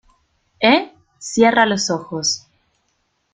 ¿ eh? cierra los ojos.